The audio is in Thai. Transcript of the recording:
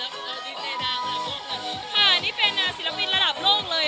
ค่ะนี่เป็นศิลปินระดับโลกเลย